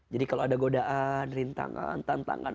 jadi kalau ada godaan rintangan tantangan